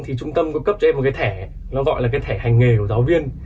thì trung tâm có cấp trên một cái thẻ nó gọi là cái thẻ hành nghề của giáo viên